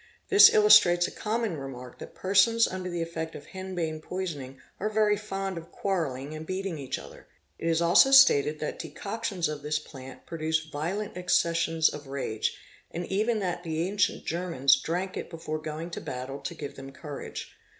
This illustrates a common remark that persons under the effect of henbane poisoning are very fond of quarrelling and beating each other. It is also stated that decoctions of this plant produce violent accessions of rage, and even that the ancient Germans drank it before going to battle to give them courage.